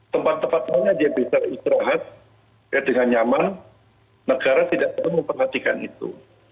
tempat tempat mana dia bisa istirahat dengan nyaman negara tidak perlu memperhatikan itu